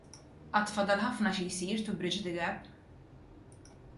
Għad fadal ħafna xi jsir to bridge the gap.